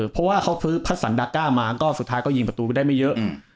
เพราะว่าเขาซื้อพัสสันดาก้ามาก็สุดท้ายก็ยิงประตูไปได้ไม่เยอะ